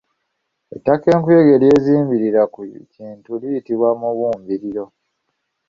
Ettaka enkuyege lye zibumbirira ku kintu liyitibwa mubumbiriro.